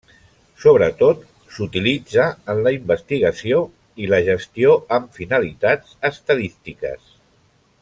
Sobretot s'utilitza en la investigació i la gestió amb finalitats estadístiques.